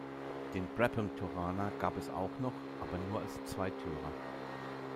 Den Brabham Torana gab es auch noch, aber nur als Zweitürer.